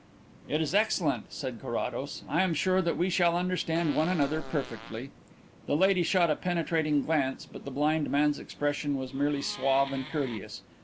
"It is excellent," said Carrados. "I am sure that we shall understand one another perfectly." The lady shot a penetrating glance but the blind man's expression was merely suave and courteous.